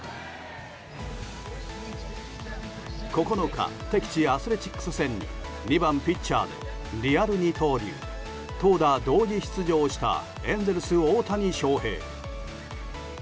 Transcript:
９日、敵地アスレチックス戦に２番ピッチャーでリアル二刀流投打同時出場したエンゼルス大谷翔平。